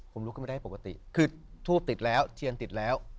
ผมลุกขึ้นมาได้ปกติคือทูบติดแล้วเทียนติดแล้ว